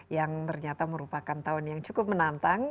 yang ternyata merupakan tahun yang cukup menantang